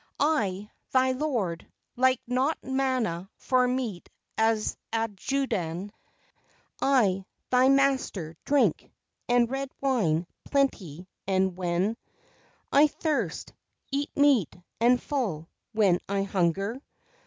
I, thy lord, like not manna for meat as a Judahn; I, thy master, drink, and red wine, plenty, and when I thirst. Eat meat, and full, when I hunger.